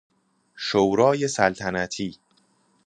شورای سلطنتی